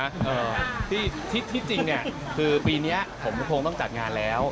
อันนี้ผมต้องตอบนะที่จริงคือปีนี้ผมคงต้องจัดงานแล้ว